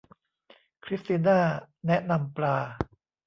คริสติน่าแนะนำปลา